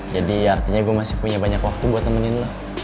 jadi artinya gue masih punya banyak waktu buat temenin lo